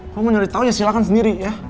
lo mau nyari tau ya silahkan sendiri yah